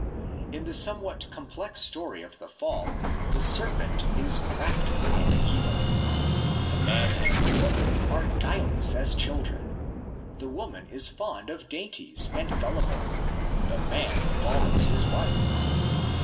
In the somewhat complex story of the Fall the serpent is crafty and evil, the man and the woman are guileless as children, the woman is fond of dainties and gullible , the man follows his wife.